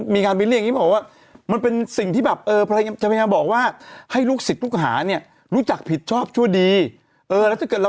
ตอนนี้เรื่องนี้กำลังดังมากเลยนะ